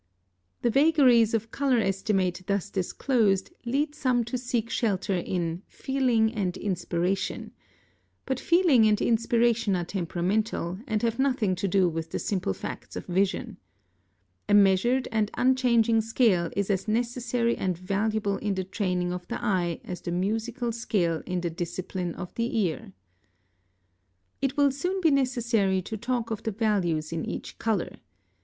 ] The vagaries of color estimate thus disclosed, lead some to seek shelter in "feeling and inspiration"; but feeling and inspiration are temperamental, and have nothing to do with the simple facts of vision. A measured and unchanging scale is as necessary and valuable in the training of the eye as the musical scale in the discipline of the ear. It will soon be necessary to talk of the values in each color.